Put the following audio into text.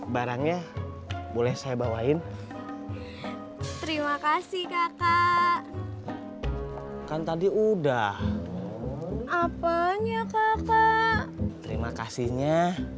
barangnya boleh saya bawain terima kasih kakak kan tadi udah apanya pak pak terima kasihnya